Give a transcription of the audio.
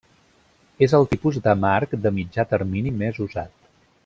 És el tipus de Marc de Mitjà Termini més usat.